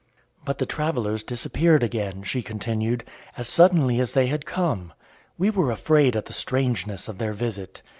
"But the travellers disappeared again," she continued, "as suddenly as they had come. We were afraid at the strangeness of their visit.